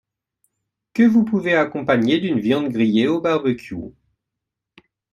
que vous pouvez accompagner d'une viande grillée au barbecue